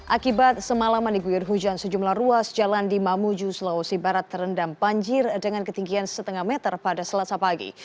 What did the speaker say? akibat semalaman diguyur hujan sejumlah ruas jalan di mamuju sulawesi barat terendam banjir dengan ketinggian setengah meter pada selasa pagi